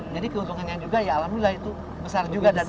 jadi keuntungannya juga ya alhamdulillah itu besar juga dan tinggi juga